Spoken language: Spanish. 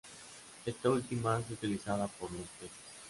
Esta última es utilizada por los peces.